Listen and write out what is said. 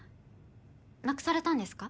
なくされたんですか？